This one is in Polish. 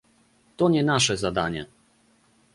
To nie nasze zadanie